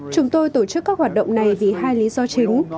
chúng tôi tổ chức các hoạt động này vì hai lý do chính